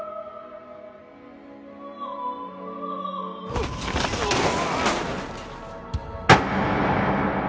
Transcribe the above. うっうわあ！